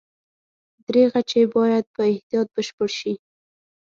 دریغه چې باید په احتیاط بشپړ شي.